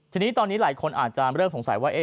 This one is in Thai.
ทีนี้ตอนนี้หลายคนอาจจะเริ่มสงสัยว่า